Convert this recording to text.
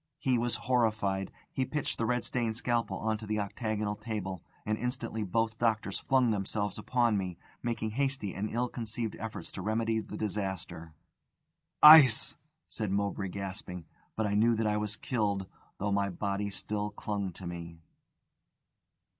He was horrified. He pitched the red stained scalpel on to the octagonal table; and instantly both doctors flung themselves upon me, making hasty and ill conceived efforts to remedy the disaster. "Ice!" said Mowbray, gasping. But I knew that I was killed, though my body still clung to me.